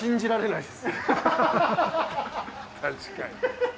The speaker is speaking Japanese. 確かに。